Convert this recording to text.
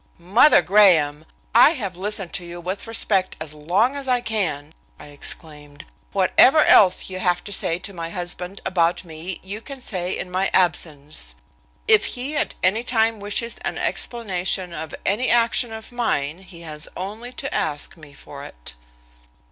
"Mother Graham, I have listened to you with respect as long as I can," I exclaimed. "Whatever else you have to say to my husband about me you can say in my absence. If he at any time wishes an explanation of any action of mine he has only to ask me for it."